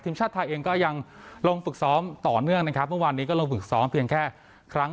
ทีมชาติไทยก็ลงฟึกซ้อมต่อเนื่อง